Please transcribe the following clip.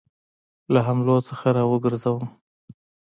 له حملو څخه را وګرځوم.